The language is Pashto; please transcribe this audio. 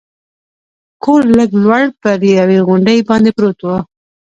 کور لږ لوړ پر یوې غونډۍ باندې پروت و.